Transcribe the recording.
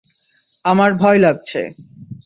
আমার ভয় লাগছে।